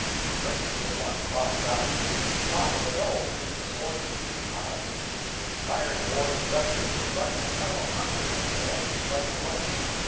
The principal one cropped out of the top of a knoll that was fourteen feet high, and the inspired Board of Directors were running a tunnel under that knoll to strike the ledge.